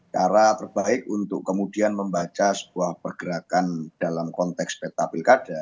cara terbaik untuk kemudian membaca sebuah pergerakan dalam konteks peta pilkada